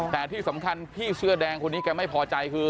แต่ที่สำคัญพี่เสื้อแดงคนนี้แกไม่พอใจคือ